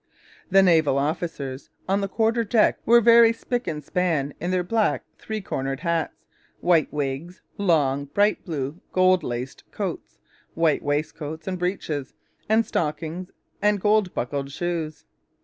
The naval officers on the quarter deck were very spick and span in their black three cornered hats, white wigs, long, bright blue, gold laced coats, white waistcoats and breeches and stockings, and gold buckled shoes.